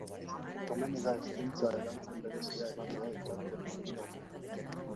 Hala, komeni da hezkuntza-erantzun berezia ematea ikasle multzo horri.